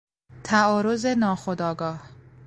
تعارض ناخودآگاه